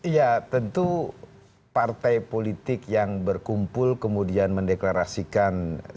ya tentu partai politik yang berkumpul kemudian mendeklarasikan